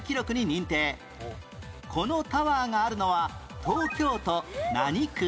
このタワーがあるのは東京都何区？